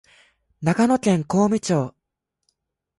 長野県小海町